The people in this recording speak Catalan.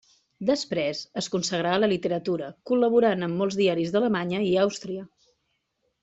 Després es consagrà a la literatura, col·laborant en molts diaris d'Alemanya i Àustria.